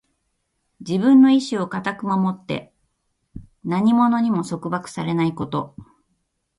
自分の意志を固く守って、何者にも束縛されないこと。